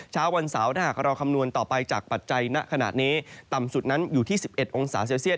เช้าวันเสาร์ถ้าหากเราคำนวณต่อไปจากปัจจัยณขณะนี้ต่ำสุดนั้นอยู่ที่๑๑องศาเซลเซียต